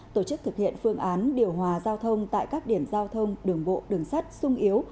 tổ chức thực hiện phương án điều hòa giao thông tại các điểm giao thông đường bộ đường sắt sung yếu